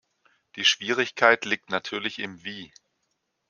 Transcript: Die Schwierigkeit liegt natürlich im Wie.